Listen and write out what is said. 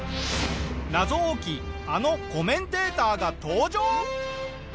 謎多きあのコメンテーターが登場！